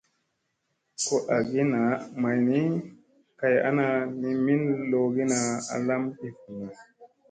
Ko agi naa may ni ,kay ana mi min loʼogina a lam ɓivunna.